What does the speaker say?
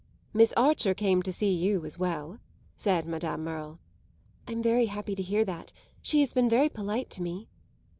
"Miss Archer came to see you as well," said Madame Merle. "I'm very happy to hear that. She has been very polite to me."